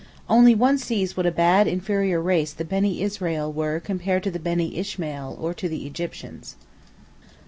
Only one sees what a bad inferior race the Beni Israel were compared to the Beni Ishmael or to the Egyptians.